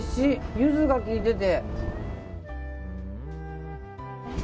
ユズが効いてて。